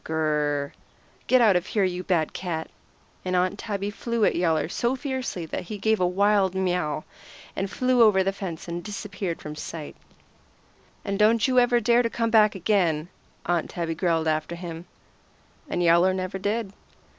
Gr r r r! Get out of here, you bad cat!" And Aunt Tabby flew at Yowler so fiercely that he gave a wild miaw, and flew over the fence and disappeared from sight. "And don't you ever dare to come back again," Aunt Tabby growled after him. And Yowler never did.